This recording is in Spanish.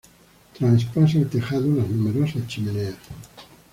Traspasan el tejado las numerosas chimeneas.